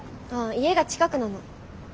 あ家が近くなの。